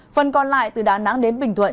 phần còn lại từ đà nẵng đến bình thuận